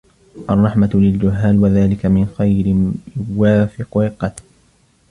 الرَّحْمَةُ لِلْجُهَّالِ وَذَلِكَ مِنْ خَيْرٍ يُوَافِقُ رِقَّةً